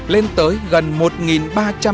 lên tới gần một ba trăm linh gb